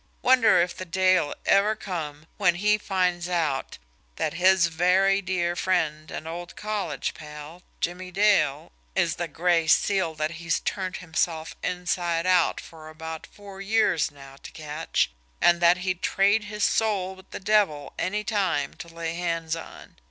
Wonder if the day'll ever come when he finds out that his very dear friend and old college pal, Jimmie Dale, is the Gray Seal that he's turned himself inside out for about four years now to catch, and that he'd trade his soul with the devil any time to lay hands on!